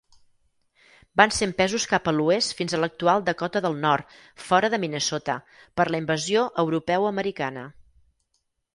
Van ser empesos cap a l'oest fins a l'actual Dakota del Nord, fora de Minnesota, per la invasió europeu-americana.